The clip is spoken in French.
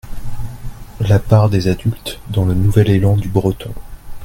La part des adultes dans le nouvel élan du breton.